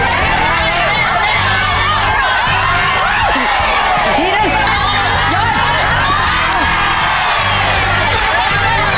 อีกทีนึง